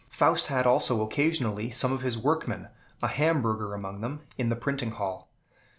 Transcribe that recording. Faust had also occasionally some of his workmen a Hamburgher among them in the printing hall.